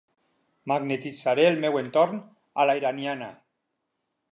Magnetitzaré el meu entorn a la iraniana.